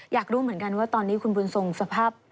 อยากรู้เหมือนกันว่าตอนนี้คุณบุญทรงสภาพ